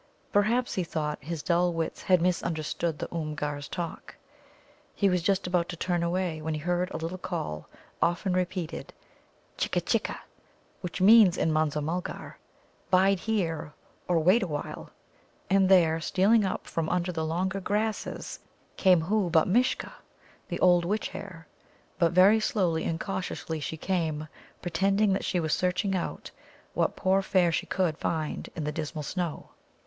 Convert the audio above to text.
Perhaps, he thought, his dull wits had misunderstood the Oomgar's talk. He was just about to turn away, when he heard a little call, often repeated, "Chikka, chikka," which means in Munza mulgar, "Bide here," or "Wait awhile." And there, stealing up from under the longer grasses, came who but Mishcha, the old witch hare. But very slowly and cautiously she came, pretending that she was searching out what poor fare she could find in the dismal snow.